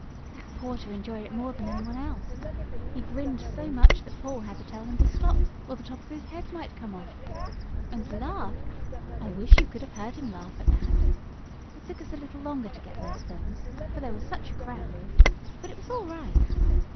"That porter enjoyed it more than anyone else. He grinned so much that Paul had to tell him to stop, or the top of his head might come off. And laugh! I wish you could have heard him laugh at that. It took us a little longer to get those films, for there was such a crowd. But it was all right.